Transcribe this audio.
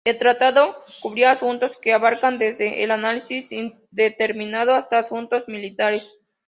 El tratado cubría asuntos que abarcaban desde el análisis indeterminado hasta asuntos militares.